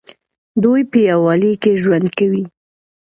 دوی په یووالي کې ژوند کوي.